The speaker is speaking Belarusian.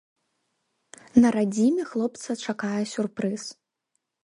На радзіме хлопца чакае сюрпрыз.